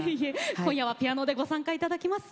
今夜はピアノでご参加頂きます。